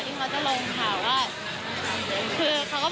มีผ่านได้กันหรือเปล่าหรือว่าแบบ